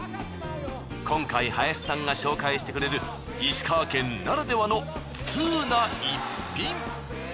今回林さんが紹介してくれる石川県ならではのツウな逸品。